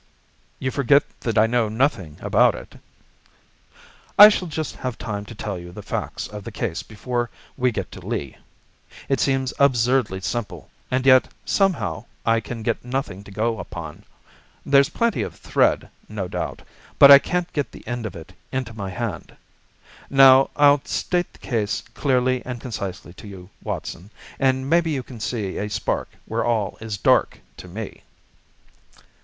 "You forget that I know nothing about it." "I shall just have time to tell you the facts of the case before we get to Lee. It seems absurdly simple, and yet, somehow I can get nothing to go upon. There's plenty of thread, no doubt, but I can't get the end of it into my hand. Now, I'll state the case clearly and concisely to you, Watson, and maybe you can see a spark where all is dark to me."